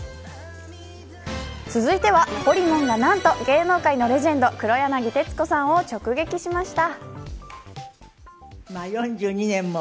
続いては、ほりもんが何と芸能界のレジェンド黒柳徹子さんを直撃しました。